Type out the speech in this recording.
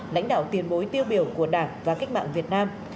lãnh đạo tiền bối tiêu biểu của đảng và cách mạng việt nam